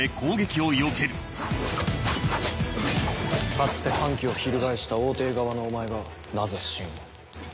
かつて反旗を翻した王弟側のお前がなぜ信を。